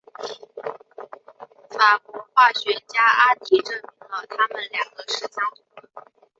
法国化学家阿迪证明了它们两个是相同的。